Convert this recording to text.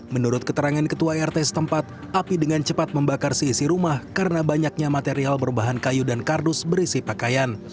menurut keterangan ketua rt setempat api dengan cepat membakar seisi rumah karena banyaknya material berbahan kayu dan kardus berisi pakaian